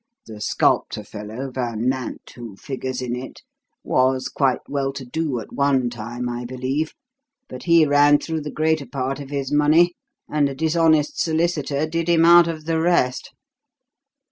The sculptor fellow, Van Nant, who figures in it, was quite well to do at one time, I believe, but he ran through the greater part of his money, and a dishonest solicitor did him out of the rest.